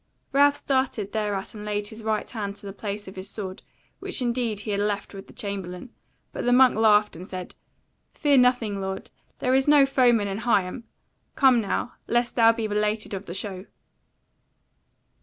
Ralph started thereat and laid his right hand to the place of his sword, which indeed he had left with the chamberlain; but the monk laughed and said: "Fear nothing, lord; there is no foeman in Higham: come now, lest thou be belated of the show."